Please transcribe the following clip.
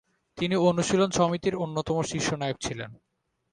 তিনি অনুশীলন সমিতির অন্যতম শীর্ষনায়ক ছিলেন।